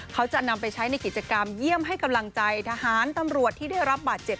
เขาจะนำไปใช้ในกิจกรรมเยี่ยมให้กำลังใจทหารตำรวจที่ได้รับบาดเจ็บ